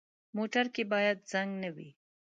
موټر کې باید زنګ نه وي.